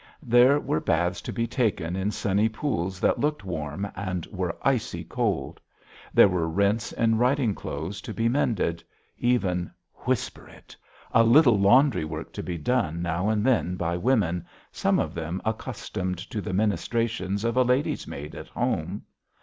There were baths to be taken in sunny pools that looked warm and were icy cold. There were rents in riding clothes to be mended; even whisper it a little laundry work to be done now and then by women, some of them accustomed to the ministrations of a lady's maid at home.